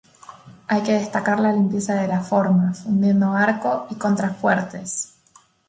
Hay que destacar la limpieza de la forma, fundiendo arco y contrafuertes.